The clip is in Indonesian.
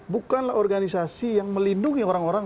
bukanlah organisasi yang melindungi orang orang